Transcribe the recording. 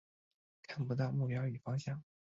看不到目标与方向